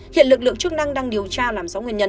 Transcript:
hiện lực lượng chức năng đang điều tra làm rõ nguyên nhân